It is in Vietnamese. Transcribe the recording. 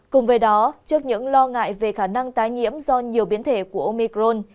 cùng với đó trước những lo ngại về khả năng tái nhiễm do nhiều biến thể của omicron